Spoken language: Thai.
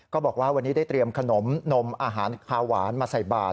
บอกว่าวันนี้ได้เตรียมขนมนมอาหารคาหวานมาใส่บาท